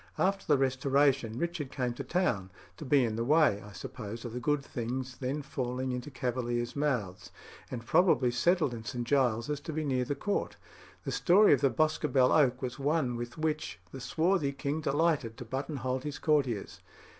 After the Restoration, Richard came to town, to be in the way, I suppose, of the good things then falling into Cavaliers' mouths, and probably settled in St. Giles's to be near the Court. The story of the Boscobel oak was one with which the swarthy king delighted to buttonhole his courtiers.